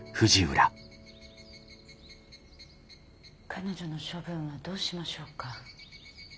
彼女の処分はどうしましょうか。